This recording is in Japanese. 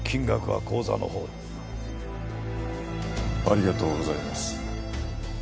ありがとうございます。